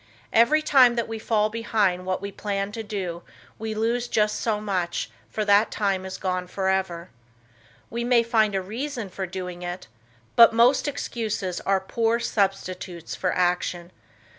Every time that we fall behind what we planned to do, we lose just so much for that time is gone forever. We may find a reason for doing it, but most excuses are poor substitutes for action.